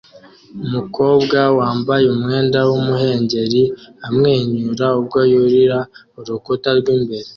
Umukobwa wambaye umwenda w'umuhengeri amwenyura ubwo yurira urukuta rw'imbere